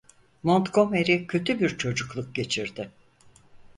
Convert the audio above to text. Montgomery kötü bir çocukluk geçirdi.